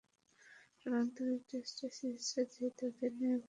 টানা দুই test series জিতে অধিনায়ক-পর্বের শুরুটা দারুণ হলো হাশিম আমলার।